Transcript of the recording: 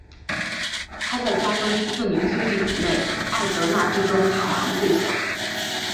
她在家中四名兄弟姊妹艾德娜之中排行最小。